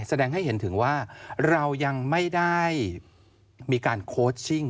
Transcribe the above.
แสดงให้เห็นถึงว่าเรายังไม่ได้มีการโค้ชชิ่ง